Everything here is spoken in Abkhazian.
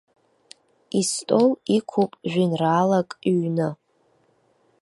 Истол иқәуп жәеинраалак ҩны.